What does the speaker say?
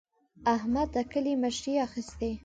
احمد د کلي مشري اخېستې.